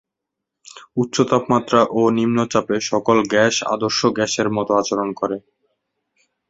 উচ্চ তাপমাত্রা ও নিন্ম চাপে সকল গ্যাস আদর্শ গ্যাস এর মত আচরণ করে।